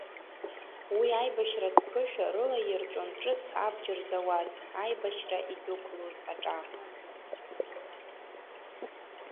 Уи аибашьратә ԥышәа рылаирҵәон ҿыц абџьар зауаз, аибашьра идәықәлоз аҿар.